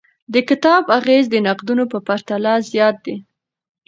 د کتاب اغیز د نقدونو په پرتله زیات دی.